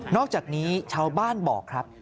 อกจากนี้ชาวบ้านบอกครับ